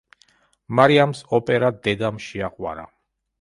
მარიამს ოპერა, დედამ შეაყვარა.